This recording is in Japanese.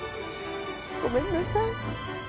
ごめんなさい。